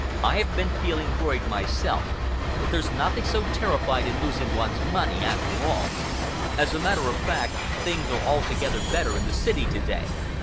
"I have been feeling worried myself, but there's nothing so terrifying in losing one's money, after all. As a matter of fact, things are altogether better in the city to day.